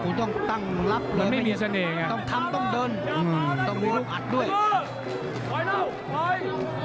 กูต้องตั้งรับเลยต้องทำต้องเดินต้องมีลูกอัดด้วยมันไม่มีเสน่ห์